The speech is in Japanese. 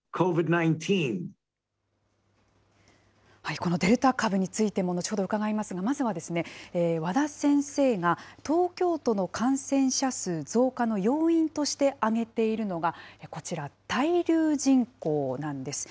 このデルタ株についても後ほど伺いますが、まずは和田先生が東京都の感染者数増加の要因として挙げているのが、こちら、滞留人口なんです。